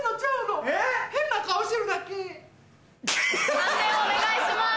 判定お願いします。